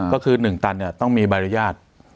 ก็คือ๑ตันเนี่ยต้องมีบริญญาณ